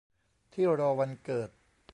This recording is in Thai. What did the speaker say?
ที่รอวันเกิด